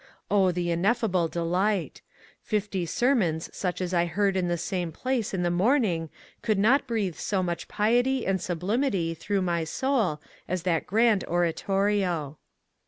O the ineffable delight I Fifty sermons such as I heard in the same place in the morning could not breathe so much piety and sublimity through my soul as that grand oratorio."